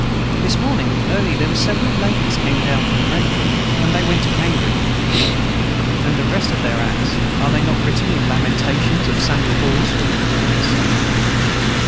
This morning early their was several Laidies came down from wrentham and they went to cambridg and the rest of their acts are they not writen in the Lamentations of Samuel Haws, finis.